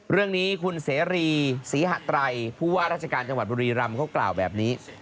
เรื่องนี้คุณเสรีศรีหะไตรผู้ว่าราชการจังหวัดบุรีรำเขากล่าวแบบนี้